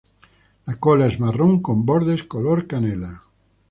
La cola es marrón con bordes color canela.